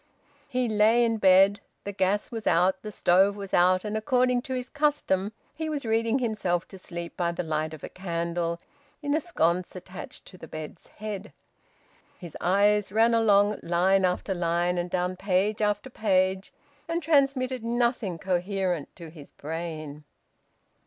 He lay in bed. The gas was out, the stove was out, and according to his custom he was reading himself to sleep by the light of a candle in a sconce attached to the bed's head. His eyes ran along line after line and down page after page, and transmitted nothing coherent to his brain.